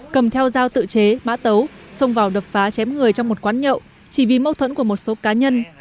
cầm theo dao tự chế mã tấu xông vào đập phá chém người trong một quán nhậu chỉ vì mâu thuẫn của một số cá nhân